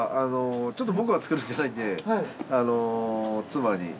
ちょっと僕が作るんじゃないんであの妻に。